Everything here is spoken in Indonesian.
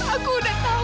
aku sudah tahu